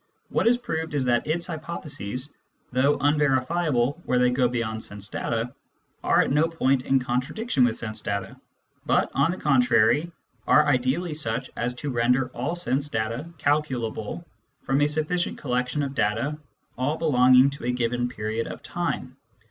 What is proved is that its hypotheses, though unverifiable /^ Digitized by VjOOQIC no SCIENTIFIC METHOD IN PHILOSOPHY where they go beyond sense data, are at no point in contradiction with sense data, but, on the contrary, are ideally such as to render all sense data calculable from a sufficient collection of data all belonging to a given period of time.